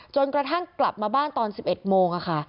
จนกระทั่งกลับมาบ้านตอน๑๑โมงค่ะ